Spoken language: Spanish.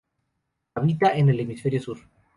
Habitan en el hemisferio sur.